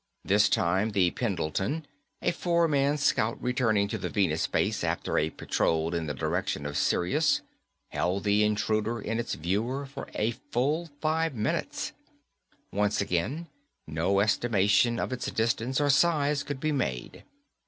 This, time the Pendleton, a four man scout returning to the Venus base after a patrol in the direction of Sirius, held the intruder in its viewer for a full five minutes. Once again, no estimation of its distance nor size could be made.